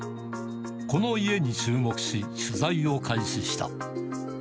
この家に注目し、取材を開始した。